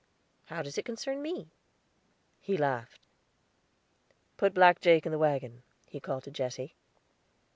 How does it concern me?" He laughed. "Put Black Jake in the wagon," he called to Jesse.